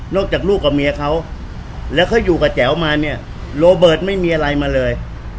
จากลูกกับเมียเขาแล้วเขาอยู่กับแจ๋วมาเนี่ยโรเบิร์ตไม่มีอะไรมาเลย